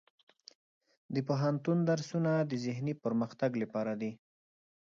د پوهنتون درسونه د ذهني پرمختګ لپاره دي.